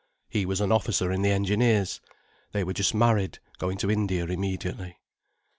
He was an officer in the engineers. They were just married, going to India immediately.